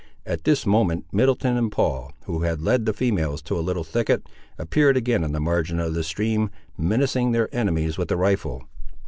At this moment Middleton and Paul who had led the females to a little thicket, appeared again on the margin of the stream, menacing their enemies with the rifle.